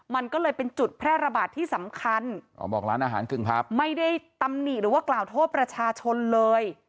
มันก็เลยเป็นจุดแพร่ระบาดที่สำคัญไม่ได้ตำหนิหรือว่ากล่าวโทษประชาชนเลย